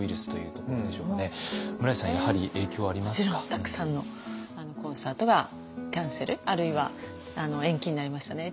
たくさんのコンサートがキャンセルあるいは延期になりましたね。